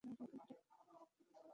তাঁর রাজত্বকালে রানা বংশের উত্থান ঘটে।